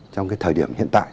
trong thời điểm hiện tại